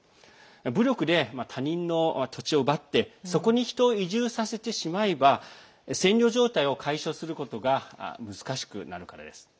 武力で他人の土地を奪ってそこに人を移住させてしまえば占領状態を解消することが難しくなるからです。